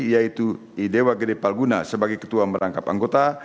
yaitu idewa gede palguna sebagai ketua merangkap anggota